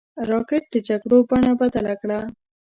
راکټ د جګړو بڼه بدله کړه